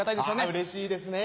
うれしいですね